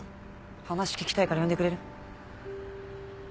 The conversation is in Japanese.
話聞きたいから呼んでくれる？